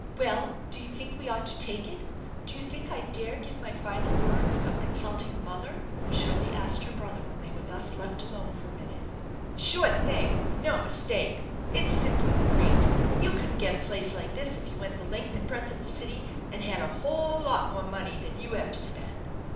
" Well, do you think we ought to take it ? Do you think I dare give my final word without consulting mother? 1 * THE ENCHANTED BARN 75 Shirley asked her brother when they were thus left alone for a minute. " Sure thing ! No mistake ! It's simply great . You couldn't get a place like this if you went the length and breadth of the city and had a whole lot more money than you have to spend."